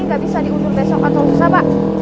nggak bisa diundur besok atau susah pak